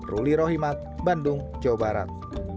ruli rohimat bandung jawa barat